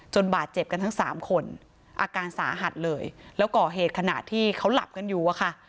บาดเจ็บกันทั้งสามคนอาการสาหัสเลยแล้วก่อเหตุขณะที่เขาหลับกันอยู่อะค่ะ